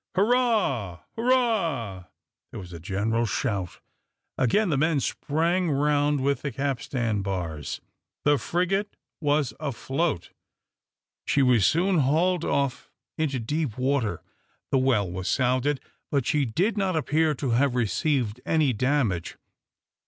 "Hurrah! hurrah!" There was a general shout. Again the men sprang round with the capstan bars; the frigate was afloat. She was soon hauled off into deep water. The well was sounded, but she did not appear to have received any damage.